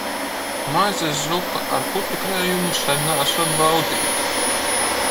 Maizes zupa ar putukrējumu sen neesot baudīta.